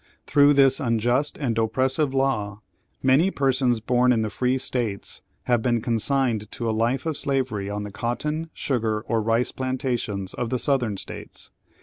Through this unjust and oppressive law, many persons born in the Free States have been consigned to a life of slavery on the cotton, sugar, or rice plantations of the Southern States.